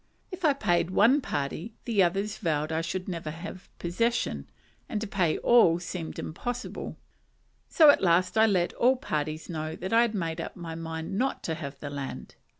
If I paid one party, the others vowed I should never have possession, and to pay all seemed impossible; so at last I let all parties know that I had made up my mind not to have the land.